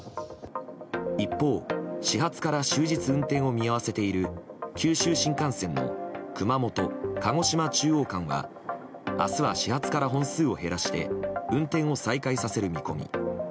一方、始発から終日運転を見合わせている九州新幹線の熊本鹿児島中央間は明日は始発から本数を減らして運転を再開させる見込み。